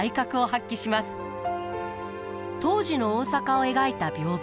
当時の大阪を描いた屏風。